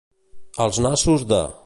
Als nassos de.